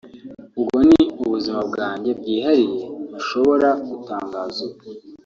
Ubwo ni ubuzima bwanjye bwihariye ntashobora gutangaza ubu